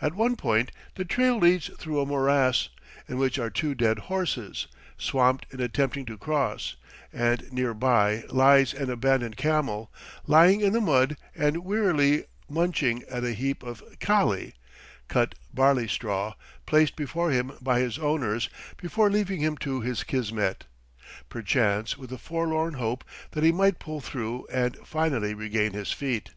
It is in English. At one point the trail leads through a morass, in which are two dead horses, swamped in attempting to cross, and near by lies an abandoned camel, lying in the mud and wearily munching at a heap of kali (cut barley straw) placed before him by his owners before leaving him to his kismet; perchance with a forlorn hope that he might pull through and finally regain his feet.